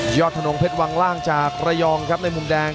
ถนนเพชรวังล่างจากระยองครับในมุมแดง